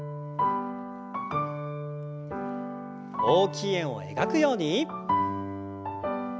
大きい円を描くように。